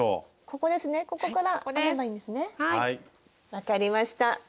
分かりました。